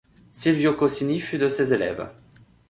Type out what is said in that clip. Silvio Cosini fut de ses élèves.